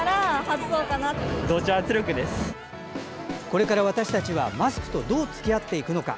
これから私たちはマスクとどうつきあっていくのか。